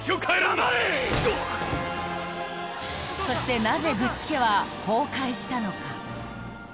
そしてなぜグッチ家は崩壊したのか？